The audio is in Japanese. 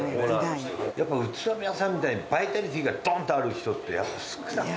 やっぱり宇都宮さんみたいに、バイタリティーがどんとある人って少ない。